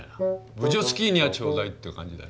「ブジョスキーニャちょうだい」っていう感じだよな。